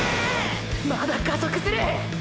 まだ加速する！！